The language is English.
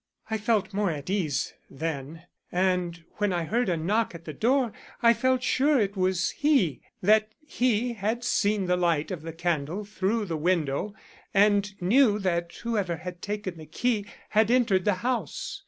"I felt more at ease then, and when I heard a knock at the door I felt sure it was he that he had seen the light of the candle through the window and knew that whoever had taken the key had entered the house.